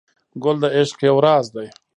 ګل د عشق یو راز دی.